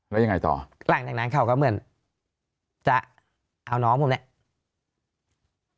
แล้วยังไงต่อหลังจากนั้นเขาก็เหมือนจะเอาน้องผมเนี่ย